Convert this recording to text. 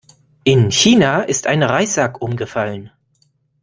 In China ist ein Reissack umgefallen.